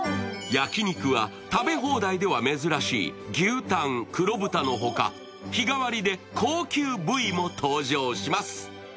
焼き肉は食べ放題では珍しい牛タン、黒豚のほか日替わりで高級部位も登場します。